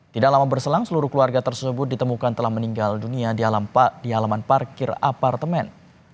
tidak lama berselang seluruh keluarga tersebut ditemukan telah meninggal dunia di halaman parkir apartemen